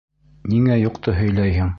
Ниңә юҡты һөйләйһең?